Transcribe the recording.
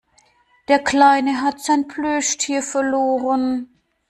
Der Kleine hat sein Plüschtier verloren.